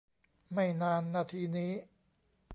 ไม่นานนาทีนี้